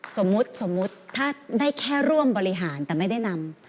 สมมุติสมมุติถ้าได้แค่ร่วมบริหารแต่ไม่ได้นำ